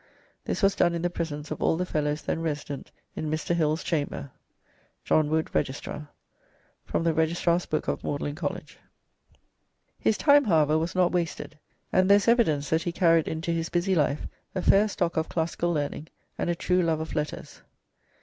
This was done in the presence of all the Fellows then resident, in Mr. Hill's chamber. JOHN WOOD, Registrar." (From the Registrar's book of Magdalene College.)] His time, however, was not wasted, and there is evidence that he carried into his busy life a fair stock of classical learning and a true love of letters.